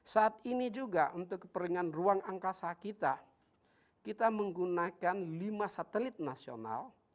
saat ini juga untuk kepentingan ruang angkasa kita kita menggunakan lima satelit nasional